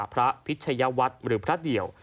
พระพิชยวัฒน์หรือพระเดี่ยว